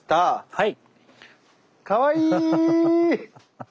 はい。